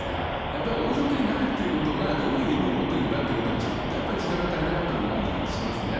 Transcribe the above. やっぱり王族になるっていうことがどういう意味を持っているのかっていうことは、ちょっとやっぱり、自覚が足りなかったのかなという感じしますね。